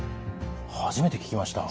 初めて聞きました。